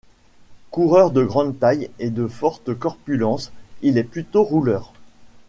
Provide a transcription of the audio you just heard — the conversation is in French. Coureur de grande taille et de forte corpulence, il est plutôt rouleur.